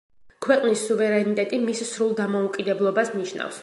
ქვეყნის სუვერენიტეტი მის სრულ დამოუკიდებლობას ნიშნავს.